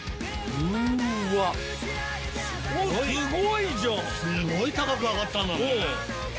うわっすごいじゃんすごい高く上がったんだね